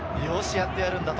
やってやるんだと。